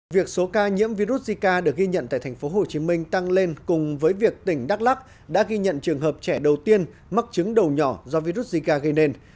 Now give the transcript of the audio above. việc số ca nhiễm virus zika được ghi nhận tại thành phố hồ chí minh tăng lên cùng với việc tỉnh đắk lắk đã ghi nhận trường hợp trẻ đầu tiên mắc chứng đầu nhỏ do virus zika gây nên